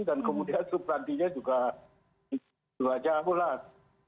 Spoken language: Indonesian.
dan kemudian suprantinya juga jahulah